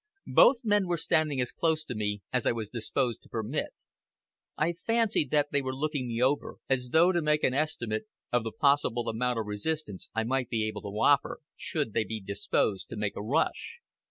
Both men were standing as close to me as I was disposed to permit. I fancied that they were looking me over, as though to make an estimate of the possible amount of resistance I might be able to offer should they be disposed to make a rush.